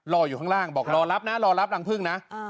รออยู่ข้างล่างรอหลับนะลองรับลางพึ่งนะ